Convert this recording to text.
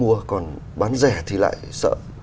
mua còn bán rẻ thì lại sợ